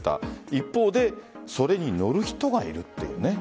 一方でそれに乗る人がいるっていうね。